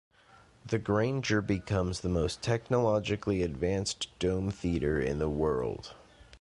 The Grainger becomes the most technologically advanced dome theater in the world.